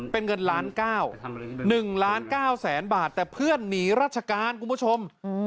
เป็นเงินล้าน๙๑ล้าน๙แสนบาทแต่เพื่อนหนีราชการคุณผู้ชม